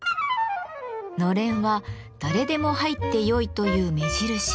のれんは誰でも入ってよいという目印。